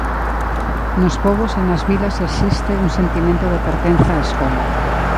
Nos pobos e nas vilas existe un sentimento de pertenza á escola.